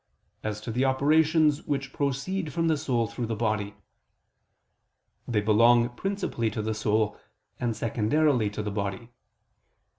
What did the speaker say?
As to the operations which proceed from the soul through the body, they belong principally to the soul, and secondarily to the body.